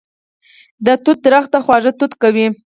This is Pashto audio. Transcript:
د توت ونه خواږه توت کوي